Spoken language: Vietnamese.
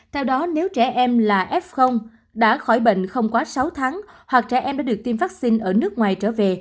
theo đó nếu trẻ em là f đã khỏi bệnh không quá sáu tháng hoặc trẻ em đã được tiêm vaccine ở nước ngoài trở về